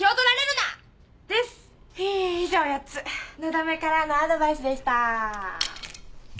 だめからのアドバイスでしたぁ。